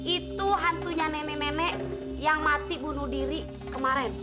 itu hantunya nenek nenek yang mati bunuh diri kemarin